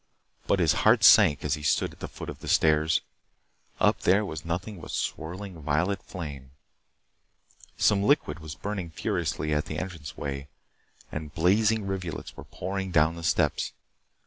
But his heart sank as he stood at the foot of the stairs. Up there was nothing but swirling, violet flame. Some liquid was burning furiously at the entrance way, and blazing rivulets were pouring down the steps.